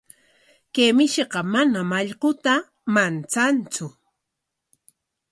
Kay mishiqa manam allquta manchantsu.